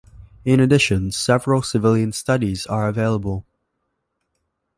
In addition, several civilian studies are available.